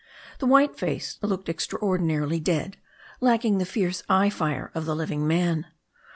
The white face looked extraor dinarily dead, lacking the fierce eye fire of the living man.